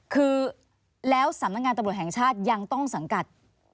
คือแล้วสำนักงานตำรวจแห่งชาติยังต้องสังกัด